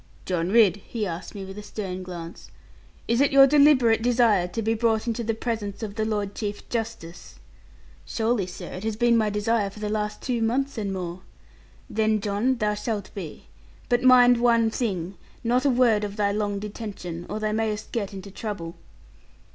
'John Ridd,' he asked me with a stern glance, 'is it your deliberate desire to be brought into the presence of the Lord Chief Justice?' 'Surely, sir, it has been my desire for the last two months and more.' 'Then, John, thou shalt be. But mind one thing, not a word of thy long detention, or thou mayst get into trouble.'